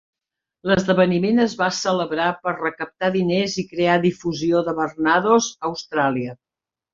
L'esdeveniment es va celebrar per recaptar diners i crear difusió de Barnardos Austràlia.